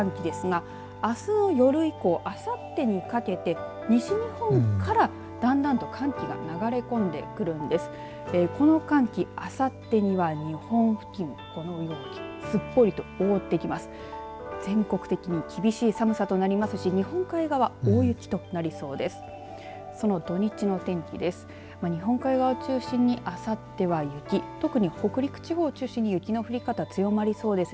全国的に厳しい寒さとなりますし日本海側大雪となりそうです。